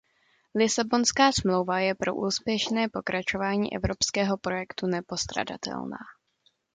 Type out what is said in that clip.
Lisabonská smlouva je pro úspěšné pokračování evropského projektu nepostradatelná.